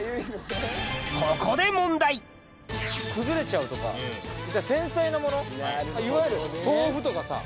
ここで崩れちゃうとか繊細なものいわゆる。